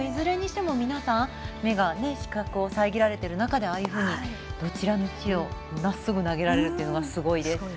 でも、いずれにしても皆さん視覚が遮られている中でああいうふうに、どちらにせよまっすぐ投げられるのがすごいです。